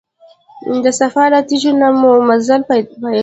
د صفا له تیږو نه مو مزل پیل کړ.